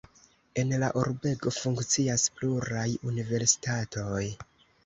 En la urbego funkcias pluraj universitatoj.